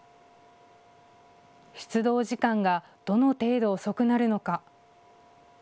出動時間がどの程度遅くなるのか。